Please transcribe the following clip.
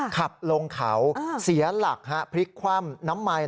ขับลงเขาเสียหลักพลิกคว่ำ